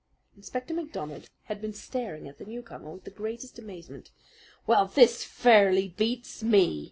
Inspector MacDonald had been staring at the newcomer with the greatest amazement. "Well, this fairly beats me!"